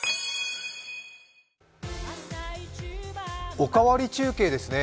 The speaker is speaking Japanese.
「おかわり中継」ですね。